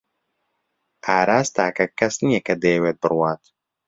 ئاراس تاکە کەس نییە کە دەیەوێت بڕوات.